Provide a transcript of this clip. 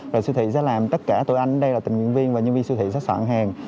về siêu thị sẽ làm tất cả tụi anh đây là tình nguyện viên và nhân viên siêu thị sẽ sẵn hàng